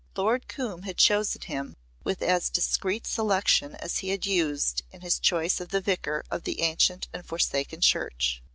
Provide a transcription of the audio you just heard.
Lord Coombe had chosen him with as discreet selection as he had used in his choice of the vicar of the ancient and forsaken church.